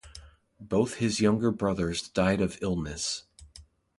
Both his younger brothers died of illness.